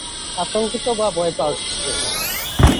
আতঙ্কিত বা ভয় পাওয়ার কিছু নেই।